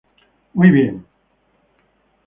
Muy bien.